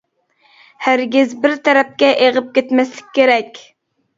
ھەرگىز بىر تەرەپكە ئېغىپ كەتمەسلىك كېرەك.